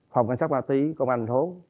phòng cảnh sát ma túy công an tp hcm